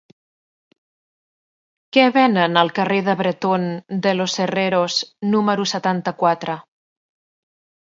Què venen al carrer de Bretón de los Herreros número setanta-quatre?